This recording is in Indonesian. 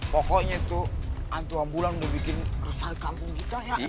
pokoknya tuh hantu ambulan udah bikin resah di kampung kita ya